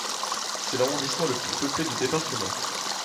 C'est l'arrondissement le plus peuplé du département.